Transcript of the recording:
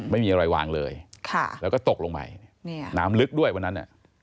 ไม่มีอะไรวางเลยแล้วก็ตกลงไปน้ำลึกด้วยวันนั้น